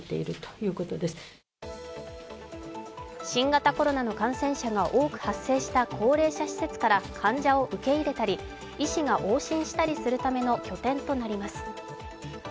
新型コロナの感染者が多く発生した高齢者施設から患者を受け入れたり医師が往診したりするための拠点となります。